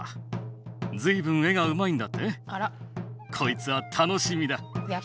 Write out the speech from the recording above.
こいつは楽しみだ。